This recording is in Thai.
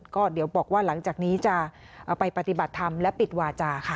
ก็เดี๋ยวบอกว่าหลังจากนี้จะเอาไปปฏิบัติธรรมและปิดวาจาค่ะ